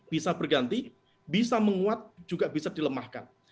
bisa berganti bisa menguat juga bisa dilemahkan